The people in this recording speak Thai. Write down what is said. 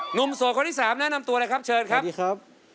หนุ่มโสดคนที่๓แนะนำตัวอะไรครับเชิญครับสวัสดีครับ